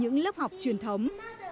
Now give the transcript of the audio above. những lớp học truyền thống